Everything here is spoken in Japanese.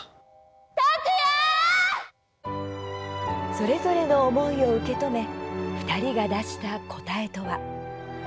それぞれの思いを受け止め２人が出した答えとは。